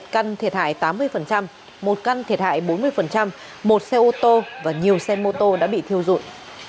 căn thiệt hại tám mươi một căn thiệt hại bốn mươi một xe ô tô và nhiều xe mô tô đã bị thiêu dụi